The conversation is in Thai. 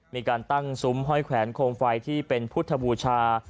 มีการตั้งซุ้มห้อยแขวนโคมไฟที่เป็นพุทธบูชา